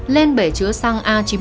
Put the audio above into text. lên bể chứa xăng a chín mươi năm